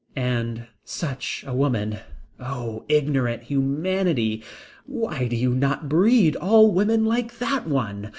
And such a woman. Oh, ignorant humanity, why do you not breed all women like that one?